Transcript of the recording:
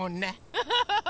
フフフフ！